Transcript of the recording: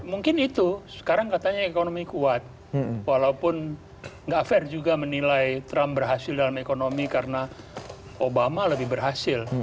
mungkin itu sekarang katanya ekonomi kuat walaupun nggak fair juga menilai trump berhasil dalam ekonomi karena obama lebih berhasil